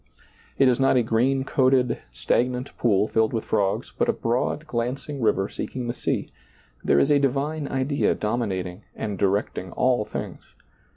It is not a green coated, stagnant pool filled with frogs, but a broad glancing river seeking the sea ; there is a divine idea dominating and direct ing all things.